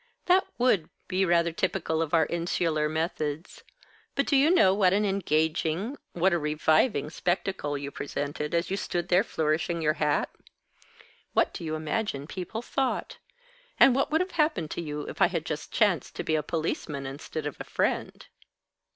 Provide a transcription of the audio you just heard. "That would be rather typical of our insular methods. But do you know what an engaging, what a reviving spectacle you presented, as you stood there flourishing your hat? What do you imagine people thought? And what would have happened to you if I had just chanced to be a policeman instead of a friend?"